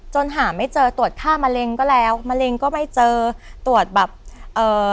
หาไม่เจอตรวจฆ่ามะเร็งก็แล้วมะเร็งก็ไม่เจอตรวจแบบเอ่อ